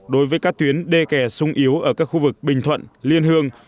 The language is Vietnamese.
đối với các tuyến đê kè sung yếu ở các khu vực bình thuận liên hương